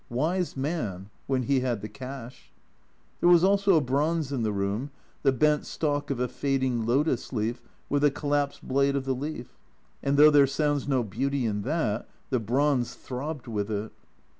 Wise man ! when he had the cash ! There was also a bronze in the room, the bent stalk of a fading lotus leaf with the collapsed blade of the leaf, and though there sounds no beauty in that, the bronze throbbed with it.